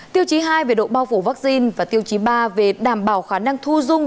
tiêu chí hai về độ bao phủ vaccine và tiêu chí ba về đảm bảo khả năng thu dung